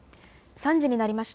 ３時になりました。